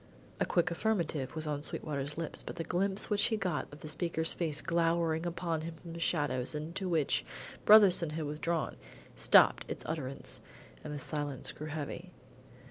A quick affirmative was on Sweetwater's lips but the glimpse which he got of the speaker's face glowering upon him from the shadows into which Brotherson had withdrawn, stopped its utterance, and the silence grew heavy.